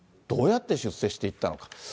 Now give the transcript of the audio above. どうやって出世していったのか。